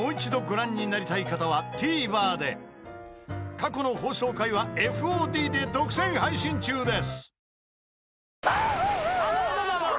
［過去の放送回はＦＯＤで独占配信中です］